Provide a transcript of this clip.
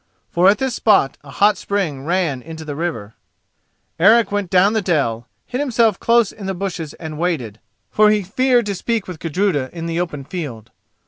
For at this spot a hot spring ran into the river. Eric went down the dell, hid himself close in the bushes and waited, for he feared to speak with Gudruda in the open field.